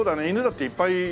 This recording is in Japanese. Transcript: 犬だっていっぱい